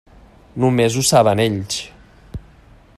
Només ho saben ells.